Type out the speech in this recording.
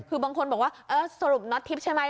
คือบางคนบอกว่าเออสรุปน็อตทิพย์ใช่ไหม